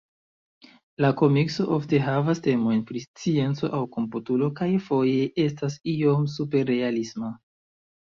La komikso ofte havas temojn pri scienco aŭ komputiko, kaj foje estas iom superrealisma.